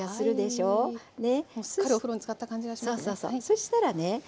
そしたらね